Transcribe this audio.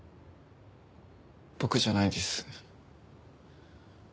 僕じゃないです。